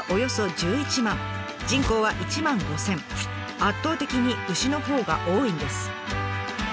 圧倒的に牛のほうが多いんです。